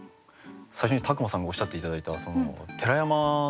最初に宅間さんがおっしゃって頂いた寺山